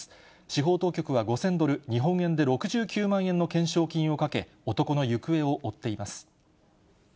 司法当局は５０００ドル、日本円で６９万円の懸賞金をかけ、男の行方を追っています。